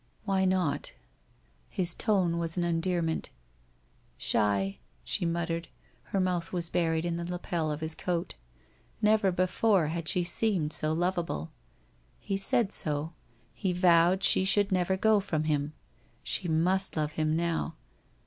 * Why not ?' His tone was an endearment. ' Shy. ...' she muttered, her mouth was buried in the lapel of his coat. Never before had she seemed so lovable. He said so, he vowed she should never go from him. She must love him now.